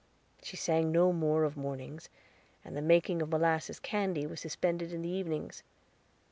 She sang no more of mornings, and the making of molasses candy was suspended in the evenings.